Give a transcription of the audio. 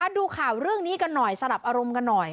ดูข่าวเรื่องนี้กันหน่อยสลับอารมณ์กันหน่อย